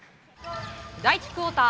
第１クオーター。